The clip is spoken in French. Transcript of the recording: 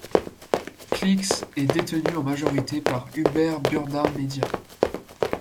Cliqz est détenue en majorité par Hubert Burda Media.